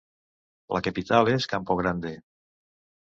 La capital és Campo Grande.